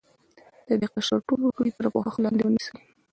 د دې قشر ټول وګړي تر پوښښ لاندې ونیسي.